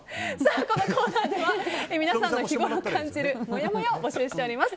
このコーナーでは皆さんの日頃感じるもやもやを募集しております。